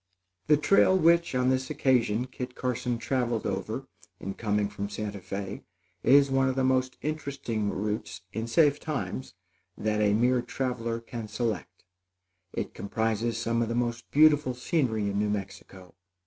The trail which, on this occasion, Kit Carson traveled over in coming from Santa Fé, is one of the most interesting routes, in safe times, that the mere traveler can select. It comprises some of the most beautiful scenery in New Mexico.